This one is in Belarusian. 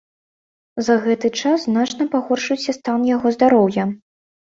За гэты час значна пагоршыўся стан яго здароўя.